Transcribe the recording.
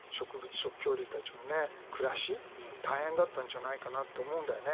食恐竜たちのね暮らし大変だったんじゃないかなと思うんだよね。